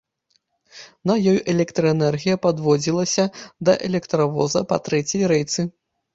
На ёй электраэнергія падводзілася да электравоза па трэцяй рэйцы.